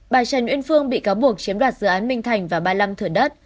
bà trần nguyễn phương bị cáo buộc chiếm đoạt dự án minh thành và ba mươi năm thử đất